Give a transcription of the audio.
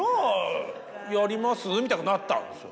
みたくなったんですよ。